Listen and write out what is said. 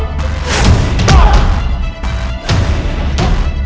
kalian gak akan nyesel